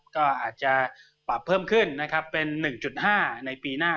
ก็อาจจะปรับเพิ่มขึ้นนะครับเป็น๑๕ในปีหน้า